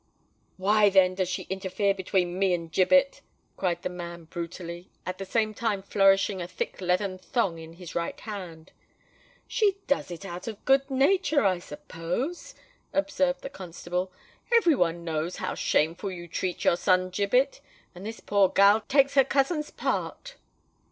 "Why, then, does she interfere between me and Gibbet?" cried the man brutally, at the same time flourishing a thick leathern thong in his right hand. "She does it out of good nature, I suppose," observed the constable. "Every one knows how shameful you treat your son Gibbet; and this poor gal takes her cousin's part."